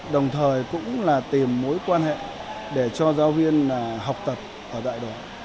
đồng thời cũng là tìm mối quan hệ để cho giáo viên học tập ở đại đoàn